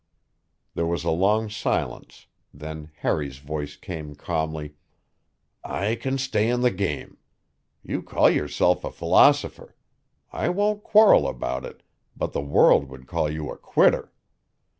There was a long silence; then Harry's voice came calmly: "I can stay in the game. You call yourself a philosopher. I won't quarrel about it, but the world would call you a quitter.